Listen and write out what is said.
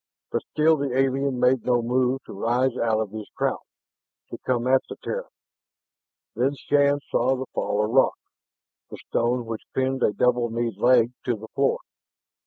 But still the alien made no move to rise out of his crouch, to come at the Terran. Then Shann saw the fall of rock, the stone which pinned a double kneed leg to the floor.